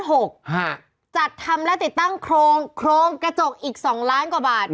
จัดทำและติดตั้งโครงกระจกอีก๒ล้านกว่าบาท